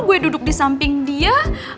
gue duduk di samping dia